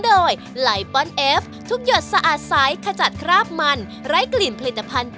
ได้อยากทำด้วยครับ